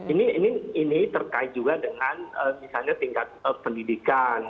ini terkait juga dengan misalnya tingkat pendidikan